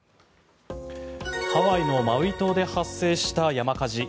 ハワイのマウイ島で発生した山火事。